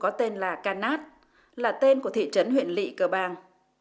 có tên là kanat là tên của thị trấn huyện lị cờ bàng